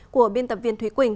của biên tập viên thúy quỳnh